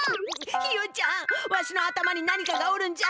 ひよちゃんわしの頭に何かがおるんじゃ。